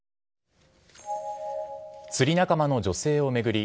釣り仲間の女性を巡り